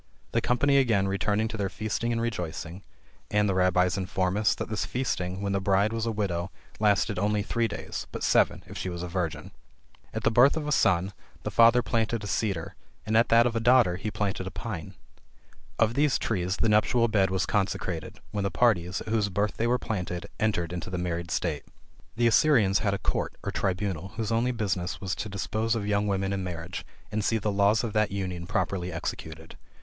The company again returned to their feasting and rejoicing; and the Rabbies inform us, that this feasting, when the bride, was a widow, lasted only three days, but seven if she was a virgin. At the birth of a son, the father planted a cedar; and at that of a daughter, he planted a pine. Of these trees the nuptial bed was constructed, when the parties, at whose birth they were planted, entered into the married state. The Assyrians had a court, or tribunal whose only business was to dispose of young women in marriage, and see the laws of that union properly executed.